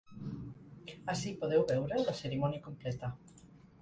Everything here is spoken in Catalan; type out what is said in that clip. Ací podeu veure la cerimònia completa.